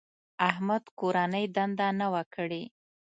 احمد کورنۍ دنده نه وه کړې.